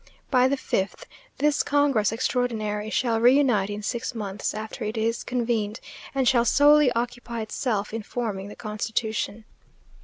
By the fifth This congress extraordinary shall reunite in six months after it is convened, and shall solely occupy itself in forming the constitution.